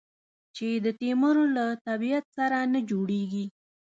چې د تیمور له طبیعت سره نه جوړېږي.